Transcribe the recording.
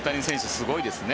すごいですね。